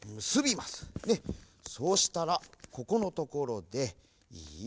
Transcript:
そうしたらここのところでいい？